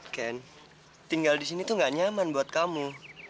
ken tinggal disini tuh gak nyaman buat kamu